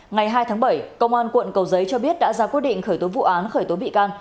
ngày hai tháng bảy công an quận cầu giấy cho biết đã ra quyết định khởi tố vụ án khởi tố bị can